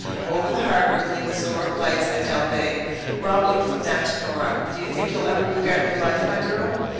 Over the harbour gleamed the score of lights at Dalveigh. Rob looked from them to Nora. "Do you think you'll ever regret yon life, my girl?"